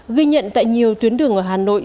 ghi nhận tại nhiều tuyến đường ở hà nội